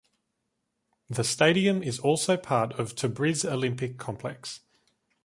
The stadium is also part of Tabriz Olympic Complex.